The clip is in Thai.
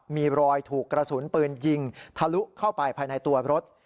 มีรอยถูกกระสุนปืนยิงทะลุเข้าไปภายในตัวรถ